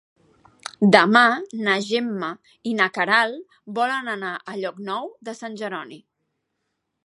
Demà na Gemma i na Queralt volen anar a Llocnou de Sant Jeroni.